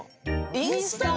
インスタ！？